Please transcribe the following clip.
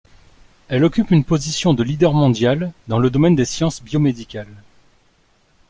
Elle occupe une position de leader mondial dans le domaine des sciences biomédicales.